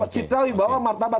cikrawi bawa martabat